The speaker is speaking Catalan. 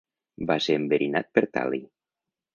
Va ser enverinat per tal·li.